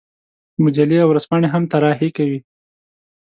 مجلې او ورځپاڼې هم طراحي کوي.